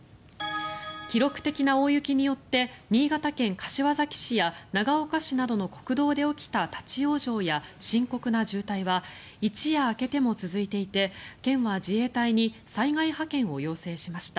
記録的な大雪によって新潟県柏崎市や長岡市などの国道で起きた立ち往生や深刻な渋滞は一夜明けても続いていて県は、自衛隊に災害派遣を要請しました。